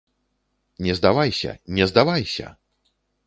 Не здавайся, не здавайся!